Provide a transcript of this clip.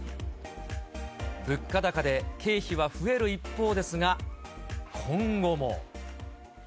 物価高で経費は増える一方ですが、今後も。